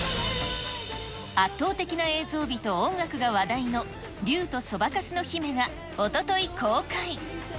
圧倒的な映像美と音楽が話題の竜とそばかすの姫がおととい公開。